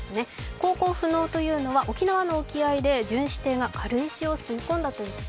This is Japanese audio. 航行不能というのは沖縄の沖合で巡視艇が軽石を吸い込んだということ。